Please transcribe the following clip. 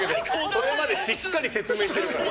それまでしっかり説明してるから。